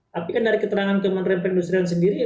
tapi kan dari keterangan kementerian perindustrian sendiri